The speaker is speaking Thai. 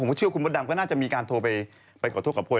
ผมเชื่อคุณมดดำก็น่าจะมีการโทรไปขอโทษขอโพย